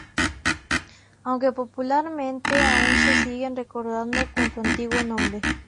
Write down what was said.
Aunque popularmente aún se siguen recordando con su antiguo nombre.